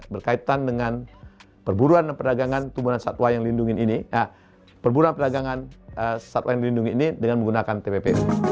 berkaitan dengan perburuan dan perdagangan tumbuhan satwa yang dilindungi ini dengan menggunakan tpp